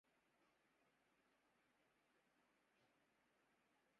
سخت مشکل ہے کہ یہ کام بھی آساں نکلا